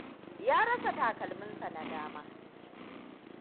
Ya rasa takalminsa na dama.